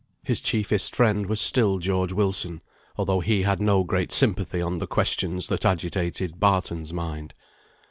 His chiefest friend was still George Wilson, although he had no great sympathy on the questions that agitated Barton's mind.